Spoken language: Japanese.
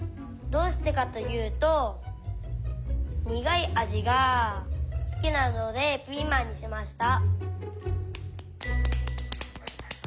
どうしてかというとにがいあじがすきなのでピーマンにしました。